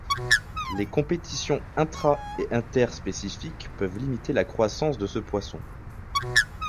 Les compétitions intra- et inter- spécifique peuvent limiter la croissance de ce poisson.